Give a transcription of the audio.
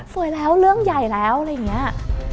สวยแล้วเรื่องใหญ่แล้วอะไรอย่างนี้